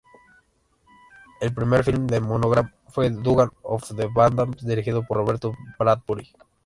El primer film con Monogram fue "Dugan of the Badlands", dirigido por Robert Bradbury.